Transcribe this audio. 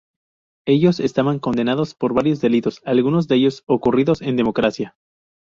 Ellos estaban condenados por varios delitos, algunos de ellos ocurridos en democracia.